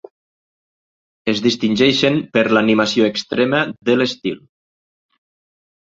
Es distingeixen per l'animació extrema de l'estil.